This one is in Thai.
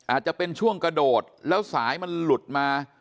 อาจจะเป็นช่วงกระโดดแล้วสายมันหลุดมา